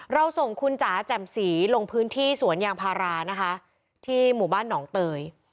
เราส่งคุณจ๋าแจ่มสีลงพื้นที่สวนยางพารานะคะที่หมู่บ้านหนองเตย